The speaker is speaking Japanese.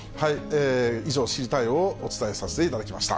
以上、知りたいッ！をお伝えさせていただきました。